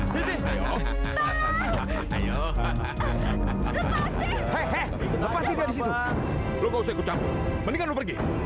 tunggu lu ga usah ikut campur mendingan lu pergi